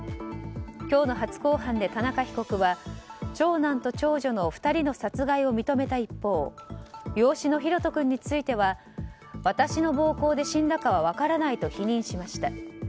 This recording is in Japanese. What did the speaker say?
今日の初公判で田中被告は長男と長女の２人の殺害を認めた一方養子の大翔君については私の暴行で死んだかは分からないと否認しました。